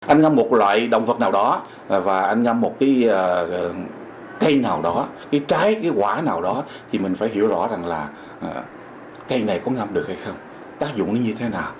anh có một loại động vật nào đó và anh nhâm một cái cây nào đó cái trái cái quả nào đó thì mình phải hiểu rõ rằng là cây này có ngâm được hay không tác dụng nó như thế nào